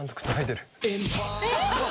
えっ？